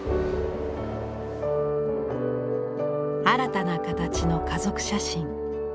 新たな形の家族写真。